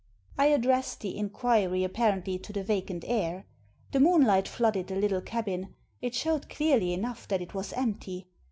I addressed the inquiry apparently to the vacant air. The moonlight flooded the little cabin. It showed clearly enough that it was empty.